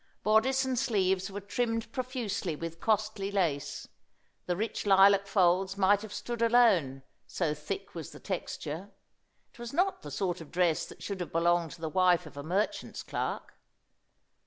Bodice and sleeves were trimmed profusely with costly lace; the rich lilac folds might have stood alone, so thick was the texture. It was not the sort of dress that should have belonged to the wife of a merchant's clerk.